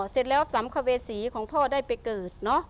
เสร็จแล้วสำคเวศรีของพ่อได้ไปเกิด